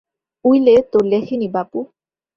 Willey তো লেখেনি বাপু!